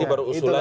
ini baru usulan